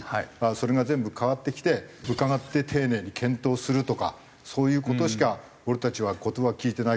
それが全部変わってきて伺って「丁寧に検討する」とかそういう事しか俺たちは言葉を聞いてないけど。